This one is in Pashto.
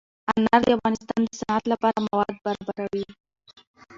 انار د افغانستان د صنعت لپاره مواد برابروي.